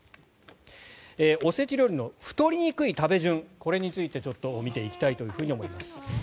お節料理の太りにくい食べ順これについて見ていきたいと思います。